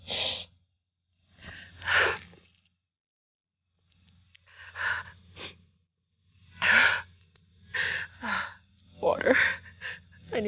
iya ini mungkin ada masalah